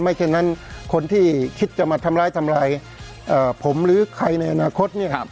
ไม่แค่นั้นคนที่คิดจะมาทำร้ายผมหรือใครในอนาคตเนี่ย